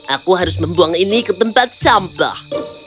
aku harus membuang ini ke tempat sampah